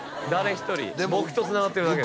一人僕とつながってるだけです